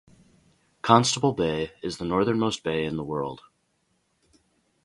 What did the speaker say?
Constable Bay is the northernmost bay in the world.